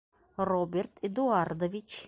Роберт Эдуардович.